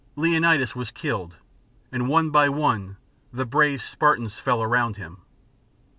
Leonidas was killed, and one by one the brave Spartans fell around him.